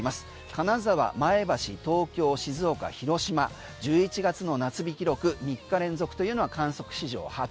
金沢、前橋東京、静岡、広島１１月の夏日記録３日連続というのは観測史上初。